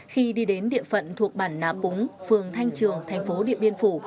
khi đi đến địa phận thuộc bản nạ púng phường thanh trường thành phố điện biên phủ